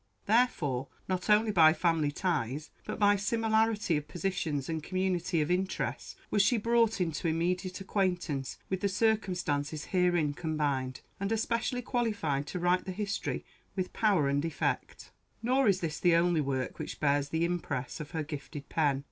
Therefore, not only by family ties, but by similarity of positions and community of interests, was she brought into immediate acquaintance with the circumstances herein combined, and especially qualified to write the history with power and effect. Nor is this the only work which bears the impress of her gifted pen.